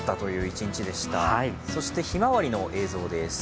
そして、ひまわりの映像です。